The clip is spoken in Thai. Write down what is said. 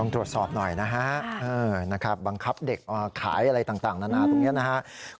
ตรวจสอบหน่อยนะฮะบังคับเด็กขายอะไรต่างนานาตรงนี้นะครับ